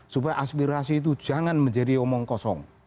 supaya aspirasi itu jangan menjadi omong kosong